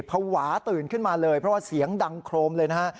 ภาวะตื่นขึ้นมาเลยเพราะว่าเสียงดังโครมเลยนะฮะ